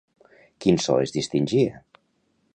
Quin so es distingia?